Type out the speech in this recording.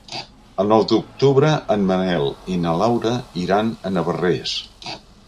El nou d'octubre en Manel i na Laura iran a Navarrés.